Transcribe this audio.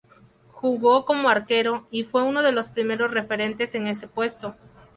Jugó como arquero, y fue uno de los primeros referentes en ese puesto.